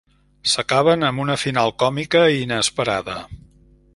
S'acaben amb una final còmica i inesperada.